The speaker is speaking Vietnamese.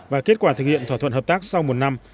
và kết quả thực hiện thỏa thuận hợp tác sau một năm